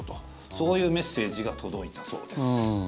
そういうメッセージが届いたそうです。